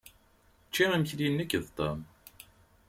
Ččiɣ imekli nekk d Tom.